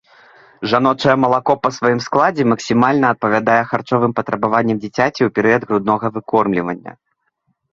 Жаночае малако па сваім складзе максімальна адпавядае харчовым патрабаванням дзіцяці ў перыяд груднога выкормлівання.